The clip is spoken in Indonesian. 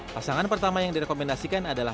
pasangan pertama yang direkomendasikan adalah